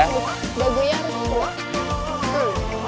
dagunya harus ke bawah